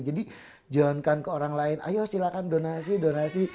jadi jauhkan ke orang lain ayo silakan donasi donasi